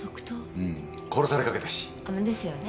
うん殺されかけたし。ですよね。